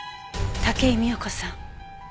武井美代子さん